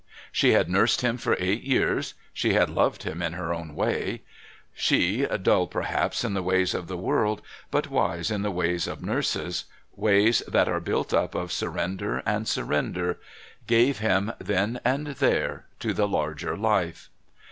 She had nursed him for eight years, she had loved him in her own way; she, dull perhaps in the ways of the world, but wise in the ways of nurses, ways that are built up of surrender and surrender, gave him, then and there, to the larger life...